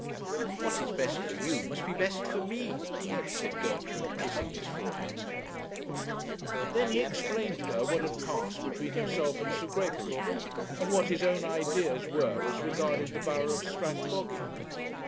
'What is best for you must be best for me,' said Gertrude, kissing his forehead. Then he explained to her what had passed between himself and Sir Gregory, and what his own ideas were as regarded the borough of Strathbogy.